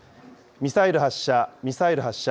ミサイル発射、ミサイル発射。